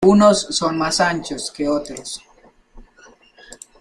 Unos son más anchos que otros.